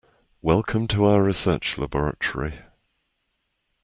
Welcome to our research Laboratory.